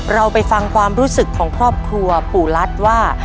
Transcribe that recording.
เราไปฟังความรู้สึกของครอบครัวปู่รัฐว่า